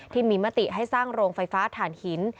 ที่มีมติให้สร้างโรงไฟฟ้าฐานหิน